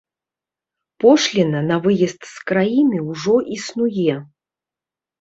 Пошліна на выезд з краіны ўжо існуе!